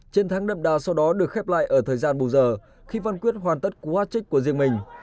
chiến thắng đậm đà sau đó được khép lại ở thời gian bù giờ khi văn quyết hoàn tất cú át trích của riêng mình